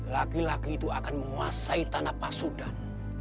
laki laki itu akan menguasai tanah pasudan